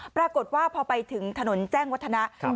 ปรากฏว่าพอไปถึงถนนแจ้งวัฒนะ